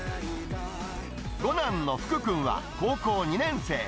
五男の風孔君は高校２年生。